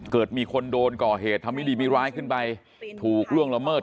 เกิดมีคนโดนก่อเหตุทำไม่ดีไม่ร้ายขึ้นไปถูกล่วงละเมิด